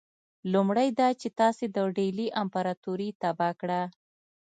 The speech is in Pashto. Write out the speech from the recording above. لومړی دا چې تاسي د ډهلي امپراطوري تباه کړه.